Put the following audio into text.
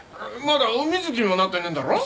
まだ産み月にもなってねえんだろう？